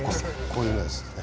こういうのです。